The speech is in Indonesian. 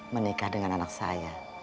menikah dengan anak saya